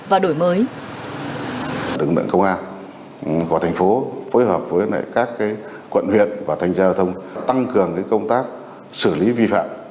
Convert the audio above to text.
và đổi mới